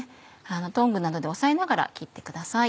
トングなどで押さえながら切ってください。